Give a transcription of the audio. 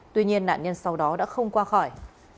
tuy nhiên nạn nhân sau đó đã không qua khỏi